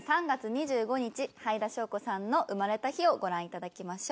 はいだしょうこさんの生まれた日をご覧いただきましょう。